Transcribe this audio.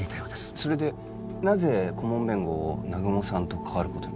それでなぜ顧問弁護を南雲さんとかわることに？